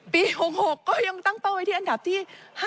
ปี๖๖ก็ยังตั้งเป้าไว้ที่อันดับที่๕